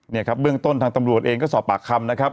เนี่ยครับเบื้องต้นทางตำรวจเองก็สอบปากคำนะครับ